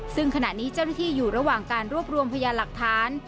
ซึ่งขณะนี้เจ้าหน้าที่อยู่ระหว่างการรวบรวมพยานหลักฐาน